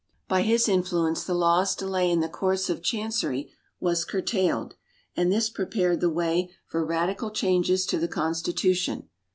By his influence the law's delay in the courts of chancery was curtailed, and this prepared the way for radical changes in the Constitution.